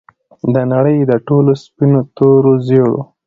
د نړۍ د ټولو سپینو، تورو، زیړو